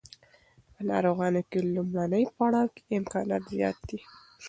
په ناروغانو کې لومړني پړاو کې امکانات زیات دي.